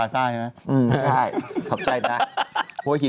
หัวหินด้วยสิแม้เราอาจว่าหัวหิน